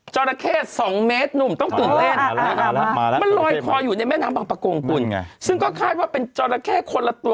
ฉันเถียงกับเธอได้